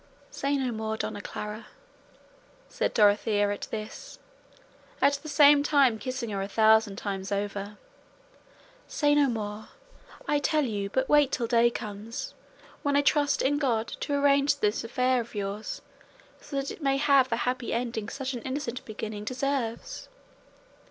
"Say no more, Dona Clara," said Dorothea at this, at the same time kissing her a thousand times over, "say no more, I tell you, but wait till day comes; when I trust in God to arrange this affair of yours so that it may have the happy ending such an innocent beginning deserves."